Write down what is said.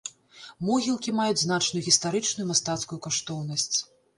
Могілкі маюць значную гістарычную і мастацкую каштоўнасць.